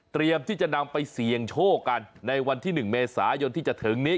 ที่จะนำไปเสี่ยงโชคกันในวันที่๑เมษายนที่จะถึงนี้